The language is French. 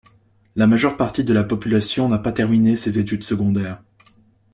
La majeure partie de la population n’a pas terminé ses études secondaires.